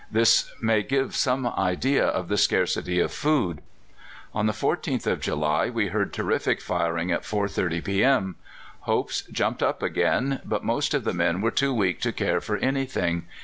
This may give some idea of the scarcity of food. "On the 14th of July we heard terrific firing at 4.30 p.m. Hopes jumped up again, but most of the men were too weak to care for anything.